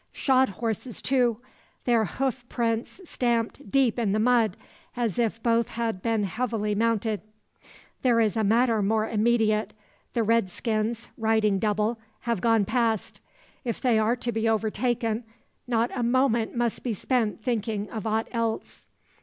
Shod horses, too; their hoof prints stamped deep in the mud, as if both had been heavily mounted. This is a matter more immediate. The redskins, riding double, have gone past. If they are to be overtaken, nor a moment must be spent thinking of aught else.